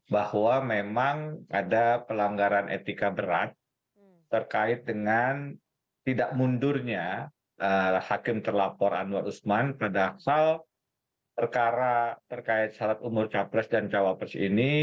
bahwa memang ada pelanggaran etika berat terkait dengan tidak mundurnya hakim terlapor anwar usman pada asal perkara terkait syarat umur capres dan cawapres ini